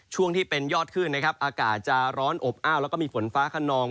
ช่วงที่เป็นยอดขึ้นนะครับอากาศจะร้อนอบอ้าวแล้วก็มีฝนฟ้าขนอง